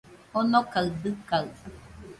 Onokaɨ dɨkaɨ